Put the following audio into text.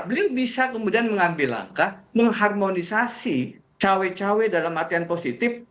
beliau bisa kemudian mengambil langkah mengharmonisasi cawe cawe dalam artian positif